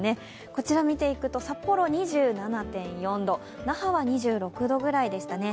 こちら見ていくと、札幌２７．４度、那覇は２６度くらいでしたね。